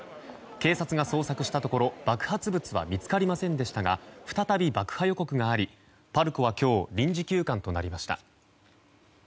警察が捜索したところ爆発物は見つかりませんでしたが再び爆破予告がありパルコは今日臨時休館となりました。